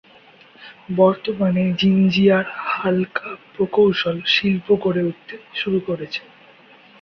বর্তমানে জিঞ্জিরায় হালকা প্রকৌশল শিল্প গড়ে উঠতে শুরু করেছে।